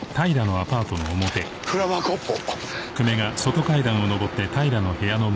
フラワーコーポ。